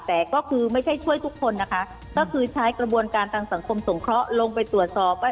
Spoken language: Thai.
แต่ก็คือไม่ใช่ช่วยทุกคนนะคะก็คือใช้กระบวนการทางสังคมสงเคราะห์ลงไปตรวจสอบว่า